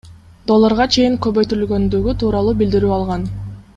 долларга чейин көбөйтүлгөндүгү тууралуу билдирүү алган.